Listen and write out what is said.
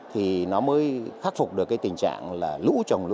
thì nó mới khắc phục được tình trạng lũ trồng lũ